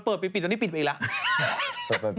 เปิดไปปิดตอนนี้ปิดไปอีกแล้ว